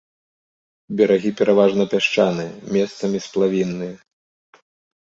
Берагі пераважна пясчаныя, месцамі сплавінныя.